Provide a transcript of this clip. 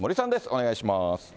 お願いします。